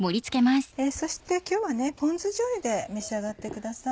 そして今日はポン酢じょうゆで召し上がってください。